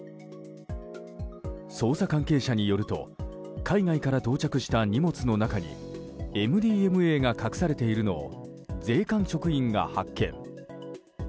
捜査関係者によると海外から到着した荷物の中にＭＤＭＡが隠されているのを税関職員が発見。